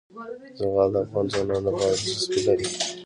زغال د افغان ځوانانو لپاره دلچسپي لري.